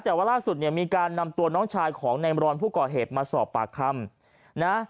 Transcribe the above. แต่ว่าล่าสุดเนี่ยมีการนำตัวน้องชายของนายมรอนผู้ก่อเหตุมาสอบปากคำนะ